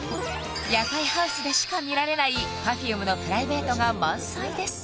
夜会ハウスでしか見られないＰｅｒｆｕｍｅのプライベートが満載です！